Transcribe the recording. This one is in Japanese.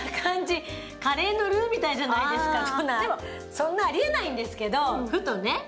そんなありえないんですけどふとね。